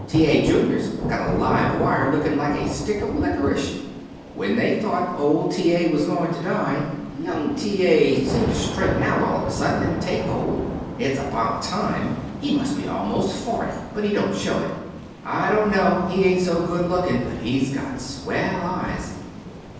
T. A. Junior's got a live wire looking like a stick of licorice. When they thought old T. A. was going to die, young T. A. seemed to straighten out all of a sudden and take hold. It's about time. He must be almost forty, but he don't show it. I don't know, he ain't so good looking, but he's got swell eyes."